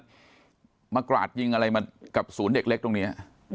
อยู่ดีวันนี้ถึงมาจะมากราดยิงอะไรมากับศูนย์เด็กเล็กตรงนี้